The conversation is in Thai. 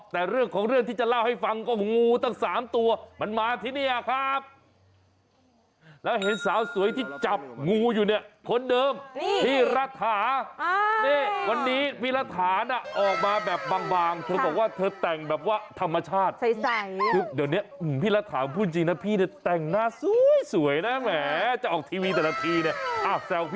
แต่เรื่องของเรื่องที่จะเล่าให้ฟังก็งูตั้ง๓ตัวมันมาที่นี่ครับ